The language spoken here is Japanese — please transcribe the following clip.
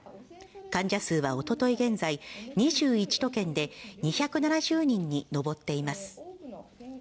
患者数はおととい現在、２１都県で２７０人に上っています。